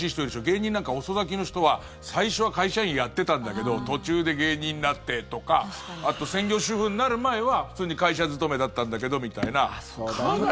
芸人なんか遅咲きの人は最初は会社員やってたんだけど途中で芸人になってとかあと、専業主婦になる前は普通に会社勤めだったんだけどみたいなかなり複雑な。